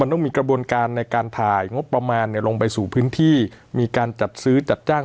ต้องมีกระบวนการในการถ่ายงบประมาณลงไปสู่พื้นที่มีการจัดซื้อจัดจ้าง